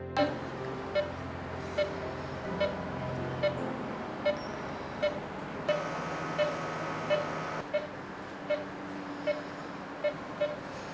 maurel terus ke sana